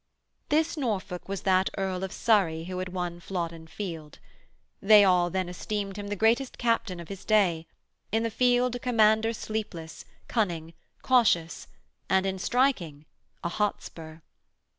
This Norfolk was that Earl of Surrey who had won Flodden Field. They all then esteemed him the greatest captain of his day in the field a commander sleepless, cunning, cautious, and, in striking, a Hotspur.